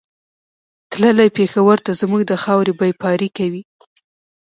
تللی پېښور ته زموږ د خاورې بېپاري کوي